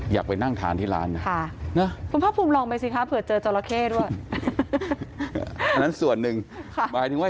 อยากไปนั่งทานที่ร้านน่ะ